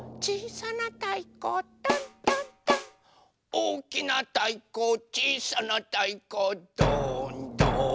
「おおきなたいこちいさなたいこドーンドーン」